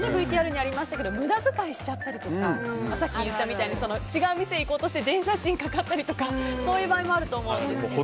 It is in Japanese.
ＶＴＲにありましたけど無駄遣いしちゃったりとかさっき言ったみたいに違う店行こうとして電車賃かかったりとかそういう場合もあると思うんですが。